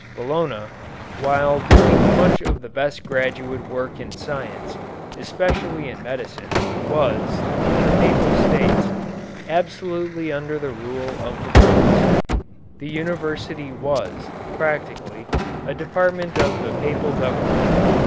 Bologna, while doing much of the best graduate work in science, especially in medicine, was, in the Papal States, absolutely under the rule of the Popes. The university was, practically, a department of the Papal government.